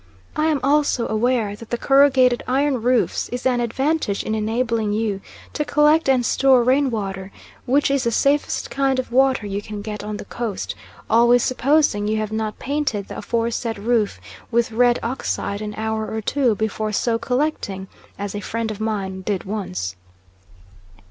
I am also aware that the corrugated iron roof is an advantage in enabling you to collect and store rain water, which is the safest kind of water you can get on the Coast, always supposing you have not painted the aforesaid roof with red oxide an hour or two before so collecting, as a friend of mine did once.